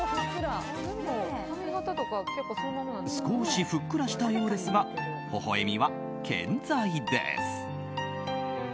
少しふっくらしたようですがほほ笑みは健在です。